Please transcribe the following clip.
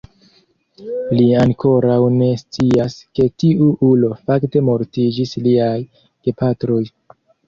Li ankoraŭ ne scias ke tiu ulo fakte mortiĝis liaj gepatroj.